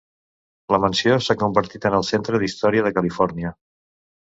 La mansió s'ha convertit en el Centre d'Història de Califòrnia.